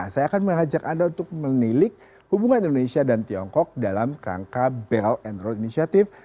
saya akan mengajak anda untuk menilik hubungan indonesia dan tiongkok dalam rangka belt and road initiative